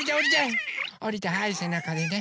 おりてはいせなかでね。